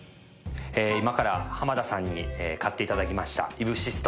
今から浜田さんに買っていただきましたイブシスト。